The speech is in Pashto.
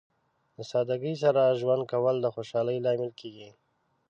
د سادګۍ سره ژوند کول د خوشحالۍ لامل کیږي.